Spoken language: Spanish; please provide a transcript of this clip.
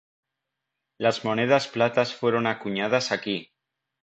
Las monedas platas fueron acuñadas aquí.